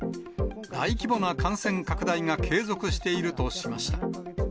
大規模な感染拡大が継続しているとしました。